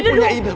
ibu punya ida